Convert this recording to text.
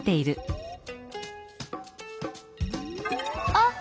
あっ！